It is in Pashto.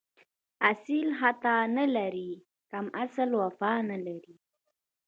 اصیل خطا نه لري، کم اصل وفا نه لري